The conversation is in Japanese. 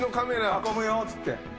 囲むよっつって。